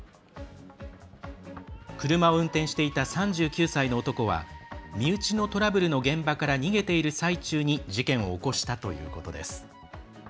車を運転していた３９歳の男は身内のトラブルの現場から逃げている最中に事件を起こしたということです。